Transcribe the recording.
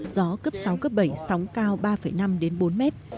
gió cấp sáu cấp bảy sóng cao ba năm đến bốn mét